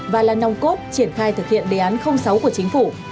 và là nòng cốt triển khai thực hiện đề án sáu của chính phủ